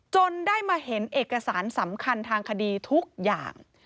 จนได้มาเห็นเอกสารสำคัญทางคดีทุกอย่าง